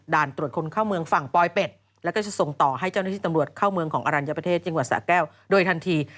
ตรวจคนเข้าเมืองฝั่งปลอยเป็ดแล้วก็จะส่งต่อให้เจ้าหน้าที่ตำรวจเข้าเมืองของอรัญญประเทศจังหวัดสะแก้วโดยทันที